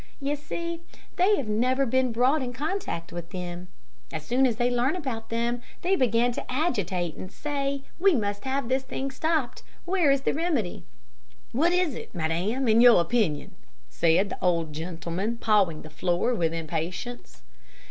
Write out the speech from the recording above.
You see they have never been brought in contact with them. As soon as they learn about them, they begin to agitate and say, 'We must have this thing stopped. Where is the remedy?'" "And what is it, what is it, madame, in your opinion?" said the old gentleman, pawing the floor with impatience.